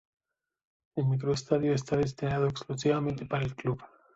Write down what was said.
El microestadio está destinado exclusivamente para el club.